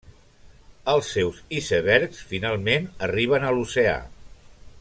Els seus icebergs finalment arriben a l'oceà.